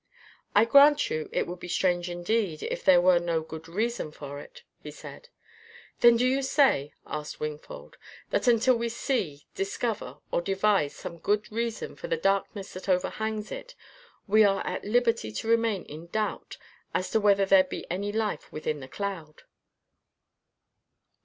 "I grant you it would be strange indeed if there were no good reason for it," he said. "Then do you say," asked Wingfold, "that until we see, discover, or devise some good reason for the darkness that overhangs it, we are at liberty to remain in doubt as to whether there be any life within the cloud?"